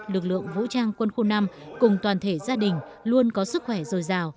lực lượng vũ trang quân khu năm cùng toàn thể gia đình luôn có sức khỏe rồi rào